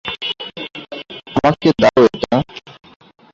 আমাকে দাও এটা।